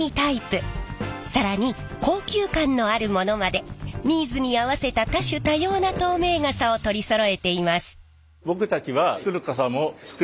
更に高級感のあるものまでニーズに合わせた多種多様な透明傘を取りそろえています！